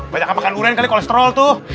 banyak makan durian kali kolesterol tuh